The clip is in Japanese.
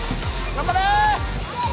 頑張れ！